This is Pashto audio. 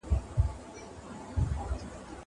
زه به مړۍ خوړلي وي.